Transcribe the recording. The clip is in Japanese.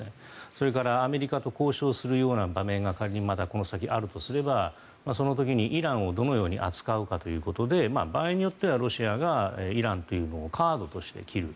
それからアメリカと交渉するような場面が仮にこの先まだあるとすればイランをどのように扱うかということで場合によってはロシアがイランというのをカードとして切る。